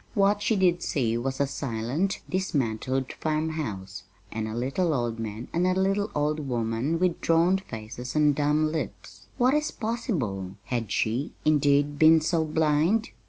What she did see was a silent, dismantled farmhouse, and a little old man and a little old woman with drawn faces and dumb lips. Was it possible? Had she, indeed, been so blind?